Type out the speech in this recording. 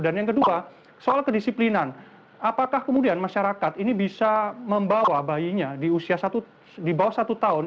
dan yang kedua soal kedisiplinan apakah kemudian masyarakat ini bisa membawa bayinya di usia satu tahun